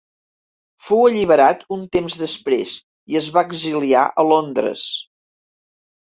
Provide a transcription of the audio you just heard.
Fou alliberat un temps després i es va exiliar a Londres.